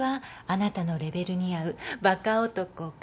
あなたのレベルに合うバカ男が。